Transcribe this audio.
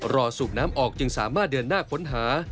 สูบน้ำออกจึงสามารถเดินหน้าค้นหา